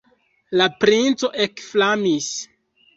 La princo ekflamis.